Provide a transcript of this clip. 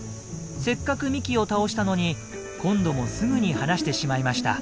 せっかく幹を倒したのに今度もすぐに離してしまいました。